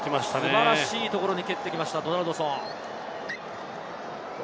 素晴らしいところに蹴ってきました、ドナルドソン。